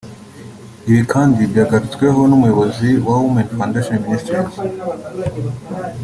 Ibi kandi byagarutsweho n' umuyobozi wa Women Foundation Ministries